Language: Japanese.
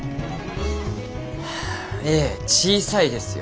ええ小さいですよ。